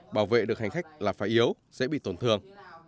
bảo vệ được hành khách là phải yếu dễ bị tổn thương